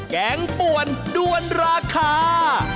แกงป่วนด้วนราคา